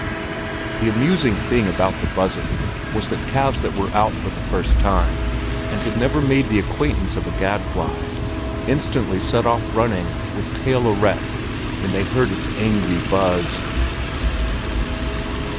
The amusing thing about the buzzing was that calves that were out for the first time, and had never made the acquaintance of a gad fly, instantly set off running, with tail erect, when they heard its angry buzz.